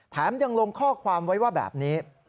ยังลงข้อความไว้ว่าแบบนี้